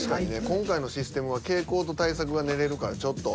今回のシステムは傾向と対策が練れるからちょっと。